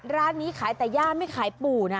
ร้านนี้ขายแต่ย่าไม่ขายปู่นะ